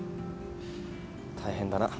大変だな。